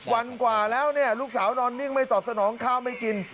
วันกว่าแล้วเนี่ยลูกสาวนอนนิ่งไม่ตอบสนองข้าวไม่กิน